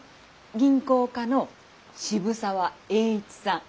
銀行家の渋沢栄一さん。